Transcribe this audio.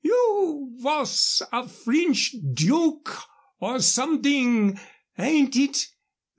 "You vhos a French duke or someding, ain't it?